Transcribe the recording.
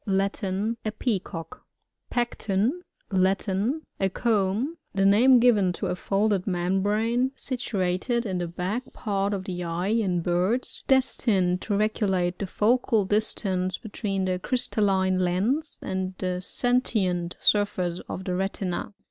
— Latin. A Peacock. Pecten. — La* in. A comb. The name given to a folded membrane, situ* ate in the back part of the eye ia dbyGoOgk ORNITIi(MU)aY: «L08SARY. ISl birds, destined to regulate the focal distance between the crystalline lens and the sentient surfiice of the retina.